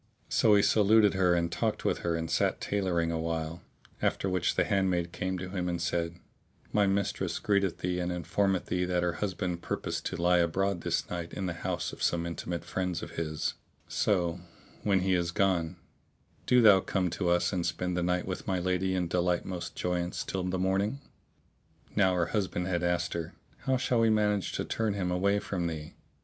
So he saluted her and talked with her and sat tailoring awhile, after which the handmaid came to him and said, "My mistress greeteth thee and informeth thee that her husband purposeth to lie abroad this night in the house of some intimate friends of his; so, when he is gone, do thou come to us and spend the night with my lady in delightsomest joyance till the morning." Now her husband had asked her, "How shall we manage to turn him away from thee?"